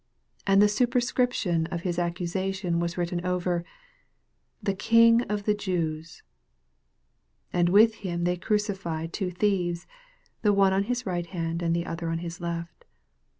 26 And the superscription of his accusation was written over, THE KING OF THE JEWS. 27 And with him they crucify two thieves ; the one oil his right hand, and the other on his left.